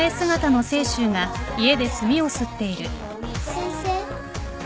先生。